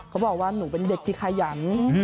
เขาบอกว่าหนูเป็นเด็กที่ขยัน